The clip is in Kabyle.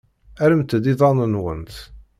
Rremt-d iḍan-nwent.